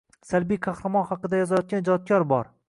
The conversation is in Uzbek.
Salbiy qahramon haqida yozayotgan ijodkor bor.